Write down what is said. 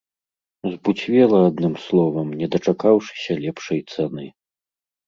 Збуцвела, адным словам, не дачакаўшыся лепшай цаны.